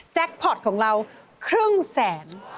พอร์ตของเราครึ่งแสน